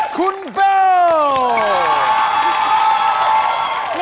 คุณเบล